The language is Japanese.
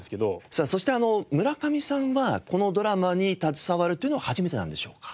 さあそして村上さんはこのドラマに携わるというのは初めてなんでしょうか？